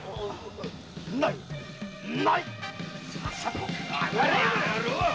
ないない‼